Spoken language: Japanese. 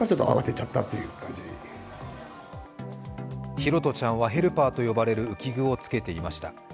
拓杜ちゃんはヘルパーと呼ばれる浮き具を着けていました。